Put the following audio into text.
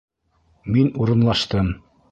Мин урынлаштым.